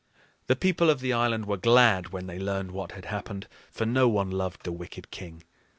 The people of the island were glad when they learned what had happened, for no one loved the wicked king.